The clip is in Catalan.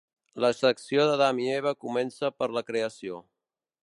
La secció d'Adam i Eva comença per la Creació.